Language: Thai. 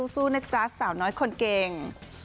สู้นะจ๊ะสาวน้อยคนเก่ง